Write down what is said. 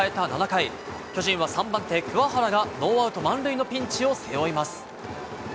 ７回、巨人は３番手・鍬原がノーアウト満塁のピンチを背負います。